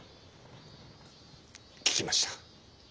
聞きました。